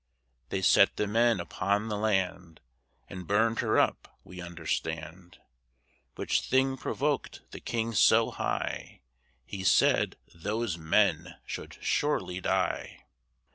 They set the men upon the land, And burn'd her up, we understand; Which thing provoked the king so high, He said, "those men should surely die."